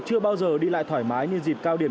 chưa bao giờ đi lại thoải mái như dịp cao điểm